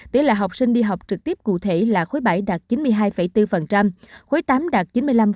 tỉ lệ học sinh đi học trực tiếp cụ thể là khối bảy đạt chín mươi hai bốn khối tám đạt chín mươi năm bốn mươi tám